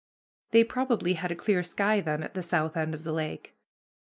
They probably had a clear sky then at the south end of the lake.